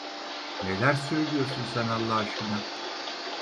Neler söylüyorsun sen Allah aşkına?